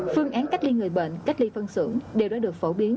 phương án cách ly người bệnh cách ly phân xưởng đều đã được phổ biến